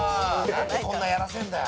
「なんでこんなやらせるんだよ」